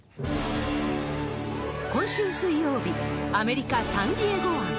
今週水曜日、アメリカ・サンディエゴ湾。